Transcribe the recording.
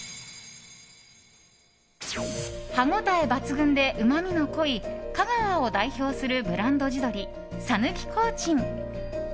歯応え抜群でうまみの濃い香川を代表するブランド地鶏讃岐コーチン。